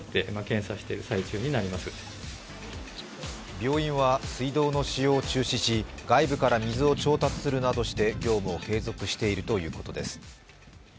病院は水道の使用を中止し外部から水を調達するなどして業務を継続しているということです。